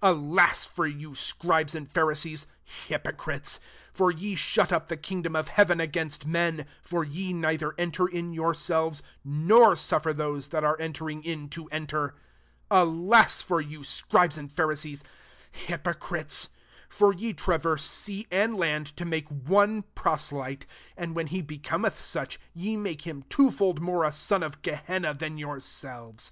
14 Alas ftxr yoUf Scribea and Phatiseesj hyfia* critean for ye shut up the king dom of heaven against men : for ye neither enter in youraetuea, nor suflfer those that are entering in to enter. 15 Alas for you, Scribes and Pharisees, hypo crites 1 for ye traverse sea and land to make one proselyte J and when he becometh auchy yi make him twofold more a son of Gehenna than yourselves.